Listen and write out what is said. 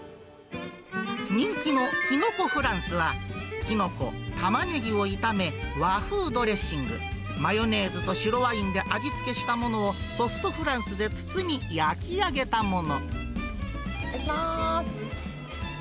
人気のきのこフランスは、きのこ、たまねぎを炒め、和風ドレッシング、マヨネーズと白ワインで味付けしたものを、ソフトフランスで包み、焼き上げたもの。